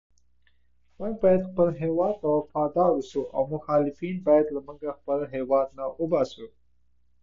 آمو سیند د افغانستان د اقلیم یوه ځانګړتیا ده.